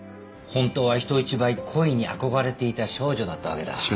本当は人一倍恋に憧れていた少女だったわけだ。